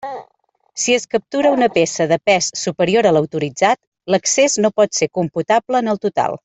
Si es captura una peça de pes superior a l'autoritzat, l'excés no pot ser computable en el total.